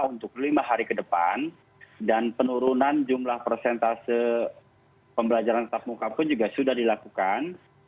untuk lima hari ke depan dan penurunan jumlah persentase pembelajaran tetap muka pun juga sudah dilakukan